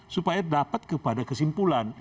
supaya dapat kepada kesimpulan